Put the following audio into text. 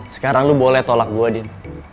sekarang lo boleh tolak gue dim